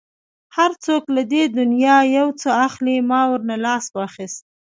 هر څوک له دې دنیا یو څه اخلي، ما ورنه لاس واخیست.